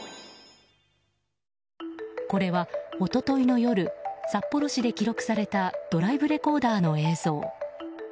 これは一昨日の夜札幌市で記録されたドライブレコーダーの映像。